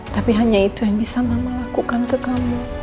tapi hanya itu yang bisa mama lakukan ke kamu